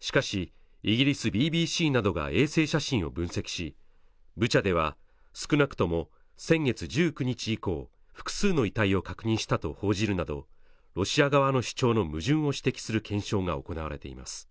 しかしイギリスＢＢＣなどが衛星写真を分析しブチャでは少なくとも先月１９日以降複数の遺体を確認したと報じるなどロシア側の主張の矛盾を指摘する検証が行われています